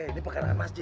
ini pekerjaan masjid